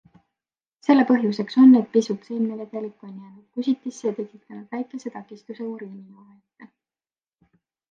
Selle põhjuseks on, et pisut seemnevedelikku on jäänud kusitisse ja tekitanud väikese takistuse uriinijoa ette.